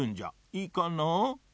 いいかな？